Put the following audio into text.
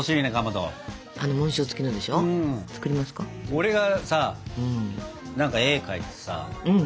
俺がさ何か絵描いてさ。